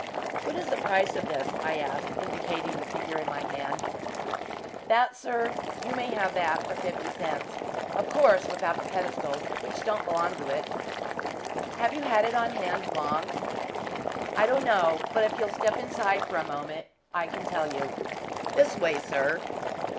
"What is the price of this?" I asked, indicating the figure in my hand. "That, sir; you may have that for fifty cents of course without the pedestal, which don't belong to it." "Have you had it on hand long?" "I don't know, but if you'll step inside for a moment I can tell you. This way, sir."